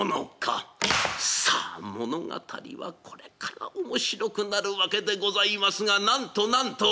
さあ物語はこれから面白くなるわけでございますがなんとなんと！